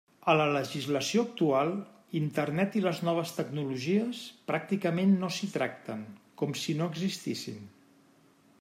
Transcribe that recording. A la legislació actual, Internet i les noves tecnologies pràcticament no s'hi tracten, com si no existissin.